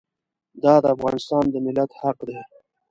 دا د افغانستان د ملت حق دی.